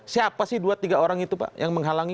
siapa sih dua tiga orang itu pak yang menghalangi